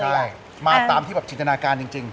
ใช่มาตามคิดถนาการจริง